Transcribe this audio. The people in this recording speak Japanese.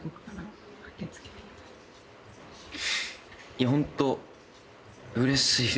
いやホントうれしいですよね。